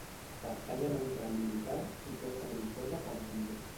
Pertanyen a un rang militar i porten uniforme quan convé